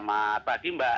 selamat pagi mbak